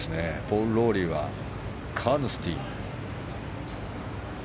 ポール・ローリーはカーヌスティ。